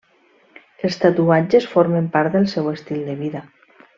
Els tatuatges formen part del seu estil de vida.